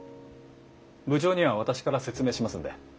部長には私から説明しますので。